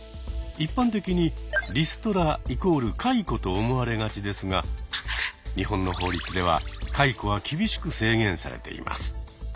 一般的に「リストラ＝解雇」と思われがちですが日本の法律では解雇は厳しく制限されています。